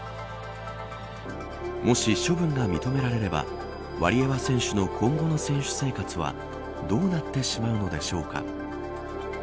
もし処分が認められればワリエワ選手の今後の選手生活はどうなってしまうのでしょうか。